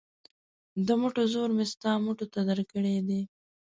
د مټو زور مې ستا مټو ته درکړی دی.